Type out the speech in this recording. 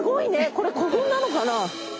これ古墳なのかな。